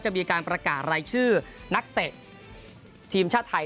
จะมีการประกาศรายชื่อนักเตะทีมชาติไทย